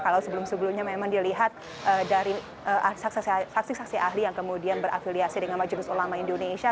kalau sebelum sebelumnya memang dilihat dari saksi saksi ahli yang kemudian berafiliasi dengan majelis ulama indonesia